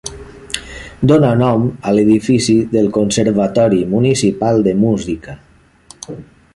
Dóna nom a l'Edifici del Conservatori Municipal de Música.